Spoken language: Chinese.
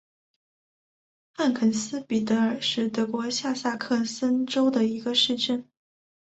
汉肯斯比特尔是德国下萨克森州的一个市镇。